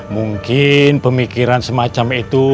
mungkin pemikiran semacam itu